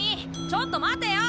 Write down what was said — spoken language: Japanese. ちょっと待てよ。